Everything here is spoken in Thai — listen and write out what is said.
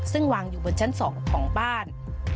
ซึ่งวางอยู่บนชั้น๒ของบ้าน